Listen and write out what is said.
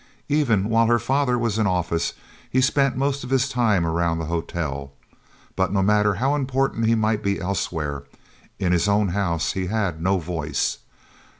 Even while her father was in office he spent most of his time around the hotel; but no matter how important he might be elsewhere, in his own house he had no voice.